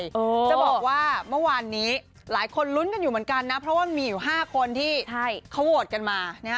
จะบอกว่าเมื่อวานนี้หลายคนลุ้นกันอยู่เหมือนกันนะเพราะว่ามีอยู่๕คนที่เขาโหวตกันมานะฮะ